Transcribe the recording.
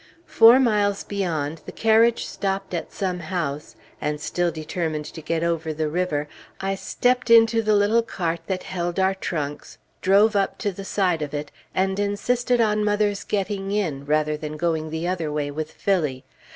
Four miles beyond, the carriage stopped at some house, and, still determined to get over the river, I stepped into the little cart that held our trunks, drove up to the side of it, and insisted on mother's getting in, rather than going the other way with Phillie.